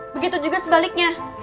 begitu juga sebaliknya